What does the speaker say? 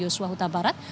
dengan yusuf huta barat